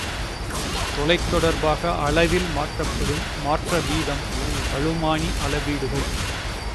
தொலைத் தொடர்பாக அளவில் ஏற்படும் மாற்றவீதம் பளுமானி அளவீடுகள்.